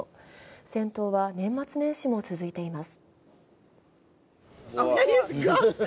戦闘は年末年始も続いています。